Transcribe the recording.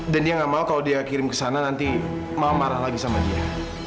dan dia nggak mau kalau dia kirim ke sana nanti mau marah lagi sama dia